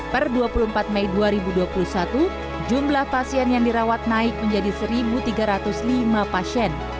per dua puluh empat mei dua ribu dua puluh satu jumlah pasien yang dirawat naik menjadi satu tiga ratus lima pasien